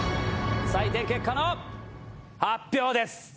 採点結果の発表です。